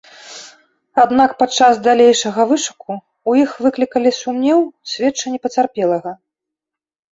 Аднак падчас далейшага вышуку ў іх выклікалі сумнеў сведчанні пацярпелага.